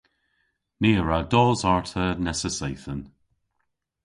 Ni a wra dos arta nessa seythen.